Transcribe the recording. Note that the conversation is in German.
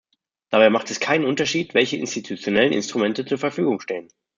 Dabei macht es keinen Unterschied, welche institutionellen Instrumente zur Verfügung stehen.